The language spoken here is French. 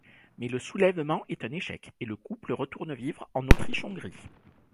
Mais le soulèvement est un échec et le couple retourne vivre en Autriche-Hongrie.